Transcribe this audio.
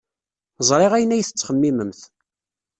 Ẓriɣ ayen ay tettxemmimemt.